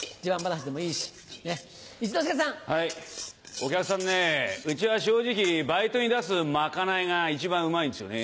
お客さんねうちは正直バイトに出す賄いが一番うまいんですよね。